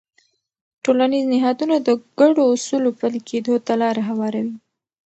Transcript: ټولنیز نهادونه د ګډو اصولو پلي کېدو ته لاره هواروي.